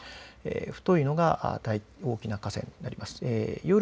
太いのが大きな河川になります。